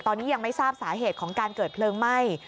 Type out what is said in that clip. ตอนนี้ยังไม่ทราบสาเหตุของการเกิดเพลิงไหม้